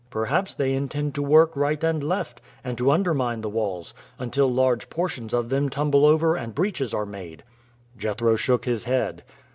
"Perhaps they intend to work right and left and to undermine the walls, until large portions of them tumble over and breaches are made." Jethro shook his head.